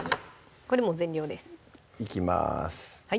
これもう全量ですいきます